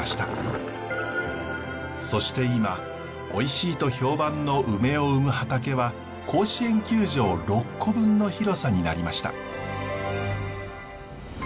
そして今おいしいと評判のウメを生む畑は甲子園球場６個分の広さになりました。